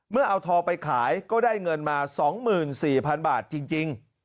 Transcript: เอาทองไปขายก็ได้เงินมา๒๔๐๐๐บาทจริง